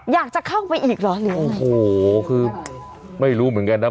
อยากจะเข้าไปอีกเหรอหรือยังไงโอ้โหคือไม่รู้เหมือนกันนะ